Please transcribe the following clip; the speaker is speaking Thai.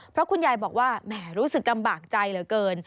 เพราะคุณยายบอกว่าแหมรู้สึกลำบากใจเหลือเกิน